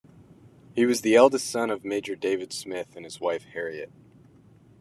He was the eldest son of Major David Smith and his wife Harriet.